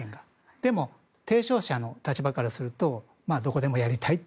でも提唱者の立場からするとどこでもやりたいと。